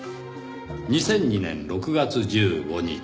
２００２年６月１５日。